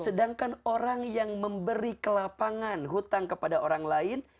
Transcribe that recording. sedangkan orang yang memberi kelapangan hutang kepada orang lain